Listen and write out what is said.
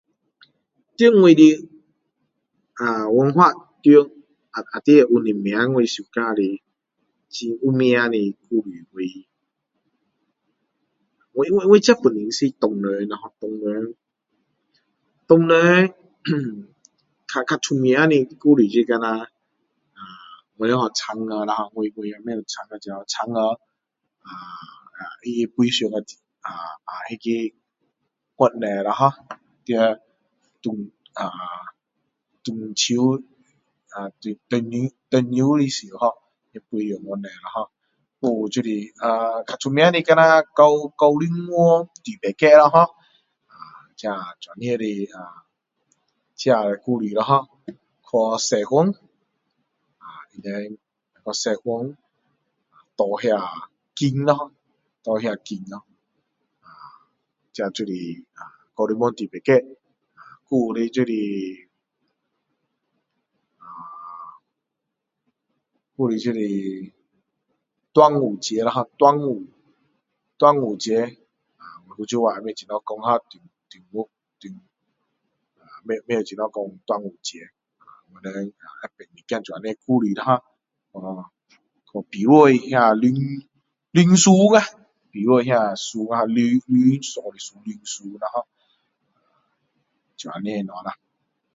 在我的文化里里有我会喜欢的很有名的我我我自己本身是华人ho华人华人比较比较出名的故事就像嫦娥啦我不知道嫦娥呃她飞上去啊那个月亮咯ho在中秋中秋的时候还有就是呃比较出名的高领园猪八戒咯ho这这样的这样的故事ho去西方人去西方拿那个金咯拿那些金咯这就是啊olibok猪八戒还有的就是呃还有的就是端午节ho端午端午节福州话不知道怎样说中国中国不知道怎么讲端午节我们知道这样一点的故事ho去比赛那个龙船啊比赛龙龙船这样的事啦